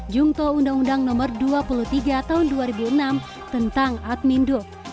jungto undang undang nomor dua puluh tiga tahun dua ribu enam tentang admin duk